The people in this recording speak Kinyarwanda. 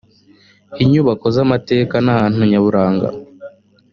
inyubako z amateka n ahantu nyaburanga